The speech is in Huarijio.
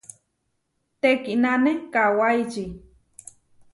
Teʼkínane kawáiči.